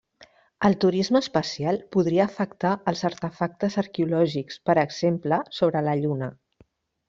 El turisme espacial podria afectar els artefactes arqueològics, per exemple, sobre la Lluna.